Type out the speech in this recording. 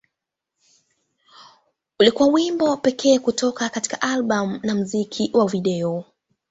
Ulikuwa wimbo pekee kutoka katika albamu kuwa na na muziki wa video.